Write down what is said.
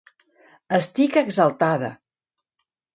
Estic exaltada.